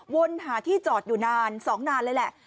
วนหาที่จอดอยู่นาน๒นานเลยแหละ